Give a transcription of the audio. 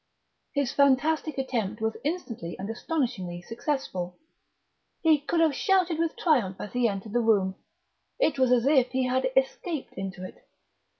His fantastic attempt was instantly and astonishingly successful. He could have shouted with triumph as he entered the room; it was as if he had escaped into it.